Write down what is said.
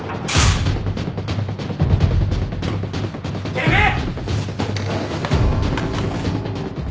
てめえ！